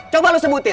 coba lo sebutin